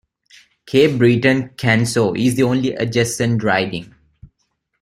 Cape Breton-Canso is the only adjacent riding.